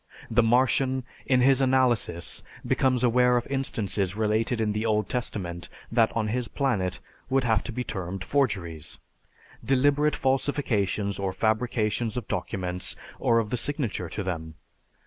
The Martian in his analysis becomes aware of instances related in the Old Testament that on his planet would have to be termed forgeries, deliberate falsifications or fabrications of documents or of the signature to them.